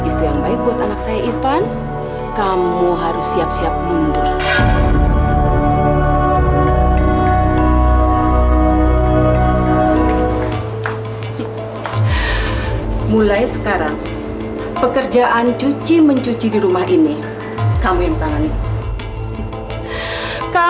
sampai jumpa di video selanjutnya